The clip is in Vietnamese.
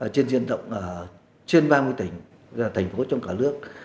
trên diện động ở trên ba mươi tỉnh thành phố trong cả nước